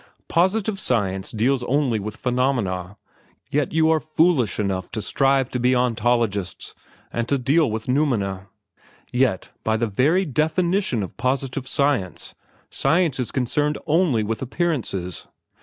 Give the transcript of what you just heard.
Positive science deals only with phenomena, yet you are foolish enough to strive to be ontologists and to deal with noumena. Yet, by the very definition of positive science, science is concerned only with appearances.